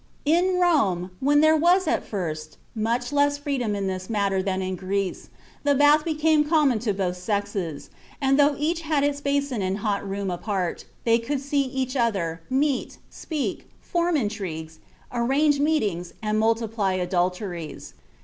In Rome, "when there was at first much less freedom in this matter than in Greece, the bath became common to both sexes, and though each had its basin and hot room apart, they could see each other, meet, speak, form intrigues, arrange meetings, and multiply adulteries.